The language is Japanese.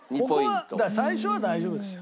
ここは最初は大丈夫ですよ。